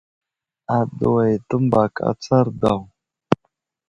Aɗuwa i təmbak atsar daw.